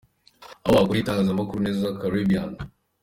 Aho wakorera itangazamakuru neza : Caribbean.